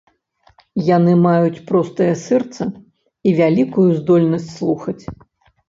Яны маюць простае сэрца і вялікую здольнасць слухаць.